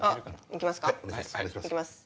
お願いします。